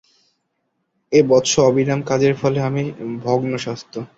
এ বৎসর অবিরাম কাজের ফলে আমি ভগ্নস্বাস্থ্য।